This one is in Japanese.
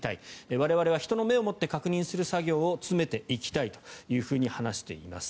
我々は人の目を持って確認する作業を詰めていきたいと話しています。